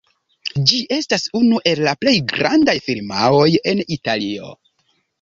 Ĝi estas unu el la plej grandaj firmaoj en Italio.